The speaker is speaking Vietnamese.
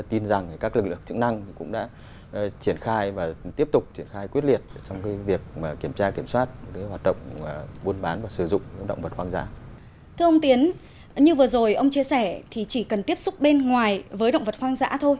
thưa ông tiến như vừa rồi ông chia sẻ thì chỉ cần tiếp xúc bên ngoài với động vật hoang dã thôi